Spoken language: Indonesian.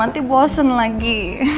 nanti bosen lagi